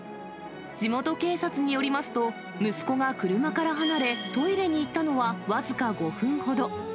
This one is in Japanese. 地元警察によりますと、息子が車から離れ、トイレに行ったのは僅か５分ほど。